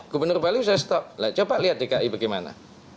gubernur bali sudah stop coba lihat dki bagaimana